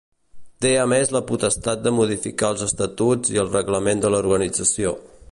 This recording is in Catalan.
Té a més la potestat de modificar els estatuts i el reglament de l'organització.